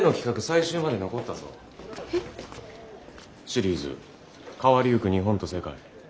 シリーズ「変わりゆく日本と世界」。